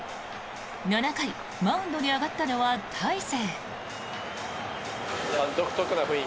７回、マウンドに上がったのは大勢。